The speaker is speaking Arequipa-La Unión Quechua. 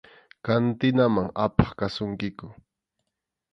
Kantinaman apaq kasunkiku.